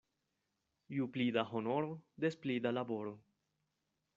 Ju pli da honoro, des pli da laboro.